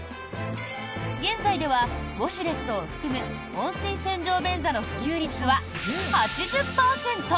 現在ではウォシュレットを含む温水洗浄便座の普及率は８０％。